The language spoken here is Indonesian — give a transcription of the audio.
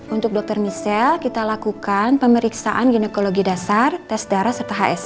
untuk dokter michelle kita lakukan pemeriksaan ginekologi dasar tes darah serta hs